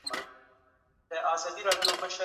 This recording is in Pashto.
که ژوند تيرول ګران سي، مصون ځای ته اړتيا پيدا کيږي.